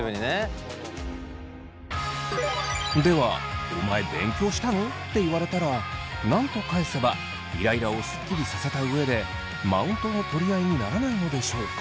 ではお前勉強したの？って言われたら何と返せばイライラをすっきりさせた上でマウントの取り合いにならないのでしょうか。